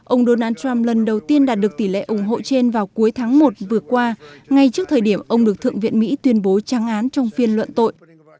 ông donald trump lần đầu tiên đạt được tỷ lệ ủng hộ trên vào cuối tháng một vừa qua ngay trước thời điểm ông được thượng viện mỹ tuyên bố trang án trong phiên luận tội